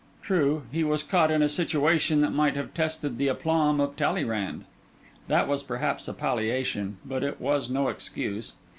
True, he was caught in a situation that might have tested the aplomb of Talleyrand. That was perhaps a palliation; but it was no excuse.